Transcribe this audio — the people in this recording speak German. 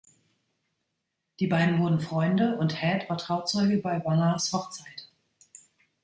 Die beiden wurden Freunde und Head war Trauzeuge bei Barnards Hochzeit.